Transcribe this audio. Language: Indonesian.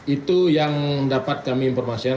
itu yang dapat kami informasikan